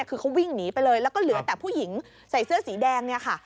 คือเขาวิ่งหนีไปเลยแล้วก็เหลือแต่ผู้หญิงใส่เสื้อสีแดงเนี่ยค่ะ